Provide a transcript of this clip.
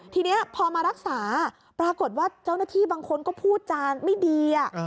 ทีนี้พอมารักษาปรากฏว่าเจ้าหน้าที่บางคนก็พูดจานไม่ดี